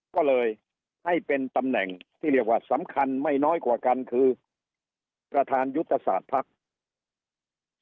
ก็เลยให้เป็นตำแหน่งที่เรียกว่าสำคัญไม่น้อยกว่ากันคือประธานยุทธศาสตร์ภักดิ์